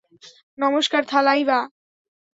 নমস্কার, থালাইভা।